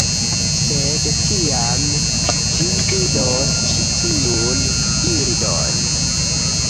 Sed tiam, vi vidos ĉi tiun bildon.